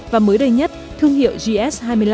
và mới đây nhất thương hiệu gs hai mươi năm